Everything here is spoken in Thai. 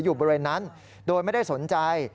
อยู่บริเวณนั้นโดยไม่ได้สนใจ